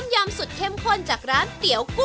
คนที่มาทานอย่างเงี้ยควรจะมาทานแบบคนเดียวนะครับ